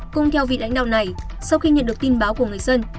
cũng theo vị lãnh đạo này sau khi nhận được tin báo của người dân